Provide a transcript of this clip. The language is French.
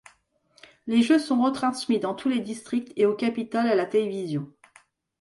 Les Jeux sont retransmis dans tous les districts et au Capitole à la télévision.